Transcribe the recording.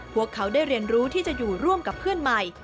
พวกเขาได้เรียนรู้ที่จะอยู่ร่วมกับเพื่อนใหม่